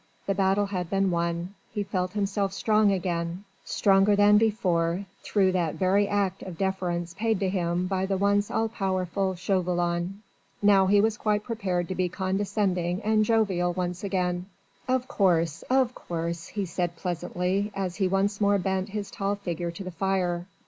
The battle had been won: he felt himself strong again stronger than before through that very act of deference paid to him by the once all powerful Chauvelin. Now he was quite prepared to be condescending and jovial once again: "Of course, of course," he said pleasantly, as he once more bent his tall figure to the fire.